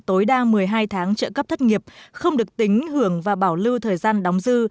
tối đa một mươi hai tháng trợ cấp thất nghiệp không được tính hưởng và bảo lưu thời gian đóng dư